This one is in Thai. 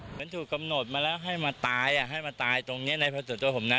เหมือนถูกกำหนดมาแล้วให้มาตายอ่ะให้มาตายตรงนี้ในส่วนตัวผมนะ